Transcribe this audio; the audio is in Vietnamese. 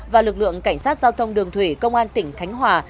và lực lượng cảnh sát giao thông đường thủy công an tỉnh khánh hòa